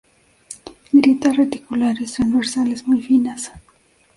Grietas reticulares transversales muy finas.